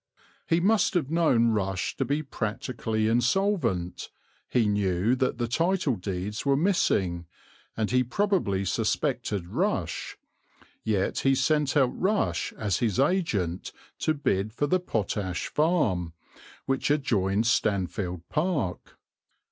He must have known Rush to be practically insolvent, he knew that the title deeds were missing, and he probably suspected Rush; yet he sent out Rush as his agent to bid for the Potash Farm, which adjoined Stanfield Park.